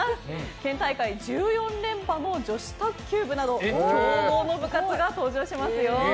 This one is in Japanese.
県大会１４連覇の女子卓球部など強豪の部活が登場しますよ。